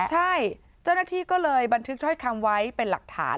ใช่เจ้าหน้าที่ก็เลยบันทึกถ้อยคำไว้เป็นหลักฐาน